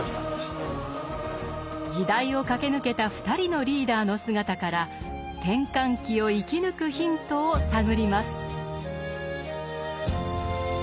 時代を駆け抜けた２人のリーダーの姿から転換期を生き抜くヒントを探ります。